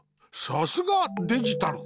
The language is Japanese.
さすがデジタル！